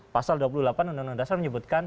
pasal dua puluh delapan undang undang dasar menyebutkan